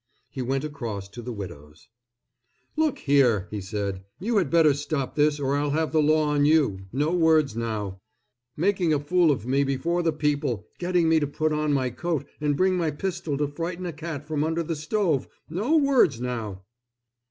He went across to the widow's. "Look here!" he said, "you had better stop this or I'll have the law on you—no words now! Making a fool of me before the people—getting me to put on my coat and bring my pistol to frighten a cat from under the stove. No words now!"